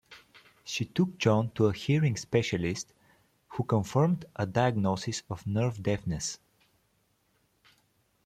She took John to a hearing specialist, who confirmed a diagnosis of nerve deafness.